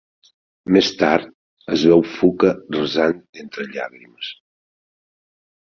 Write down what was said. Més tard, es veu Fuka resant entre llàgrimes.